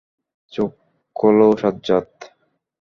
চোখ খোলো সাজ্জাদ!